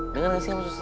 denger gak sih khususnya